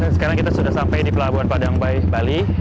sekarang kita sudah sampai di pelabuhan padang bayi bali